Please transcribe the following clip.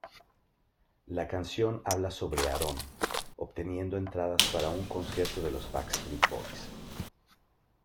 La canción habla sobre Aaron obteniendo entradas para un concierto de los Backstreet Boys.